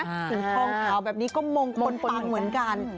สีท่องเผาแบบนี้ก็มงคลมปังเหมือนกัน